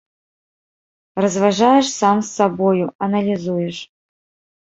Разважаеш сам з сабою, аналізуеш.